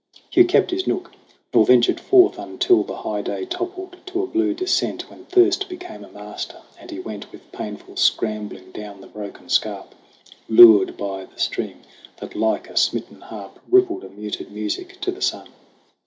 Hugh kept his nook, nor ventured forth, until The high day toppled to the blue descent, When thirst became a master, and he went With painful scrambling down the broken scarp, Lured by the stream, that like a smitten harp Rippled a muted music to the sun.